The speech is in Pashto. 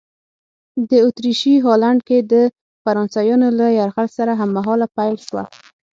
د اتریشي هالنډ کې د فرانسویانو له یرغل سره هممهاله پیل شوه.